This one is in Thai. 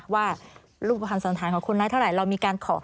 ว่ารูปผัญญาสนทายของคุณแล้วเท่าไรเรามีการขอ